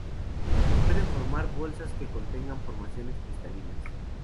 Pueden formar bolsas que contengan formaciones cristalinas.